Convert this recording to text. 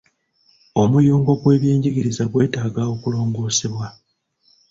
Omuyungo gw'ebyenjigiriza gwetaaga okulongoosebwa.